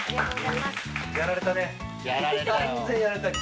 やられたよ。